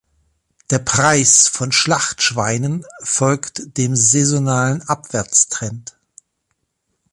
Der Preis von Schlachtschweinen folgt dem saisonalen Abwärtstrend.